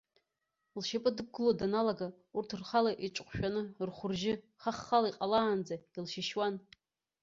Лшьапы дықәгыло даналага, урҭ лхала иҿыҟәшәаны, рхәы-ржьы хаххала иҟалаанӡа илшьышьуан.